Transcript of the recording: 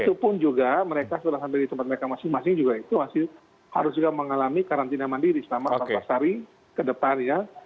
itu pun juga mereka sudah sampai di tempat mereka masing masing juga itu masih harus juga mengalami karantina mandiri selama empat belas hari ke depannya